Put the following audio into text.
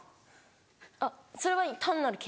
あっそれは単なる「け」。